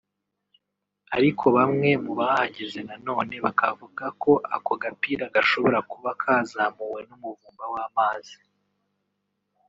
ariko bamwe mu bahageze na none bakavuga ko ako gapira gashobora kuba kazamuwe n’umuvumba w’amazi